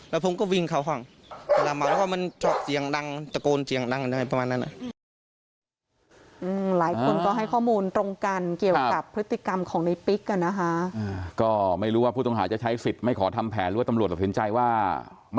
แล้วผมก็วิ่งเข้าห้องเวลาเมาแล้วก็มันชอบเสียงดังตะโกนเสียงดังอะไรประมาณนั้น